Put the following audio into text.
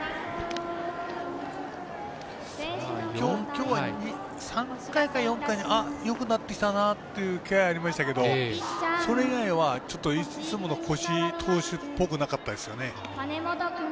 きょうは３回か４回によくなってきたなという気配ありましたけどそれ以外は、ちょっといつもの越井投手っぽくなかったですね。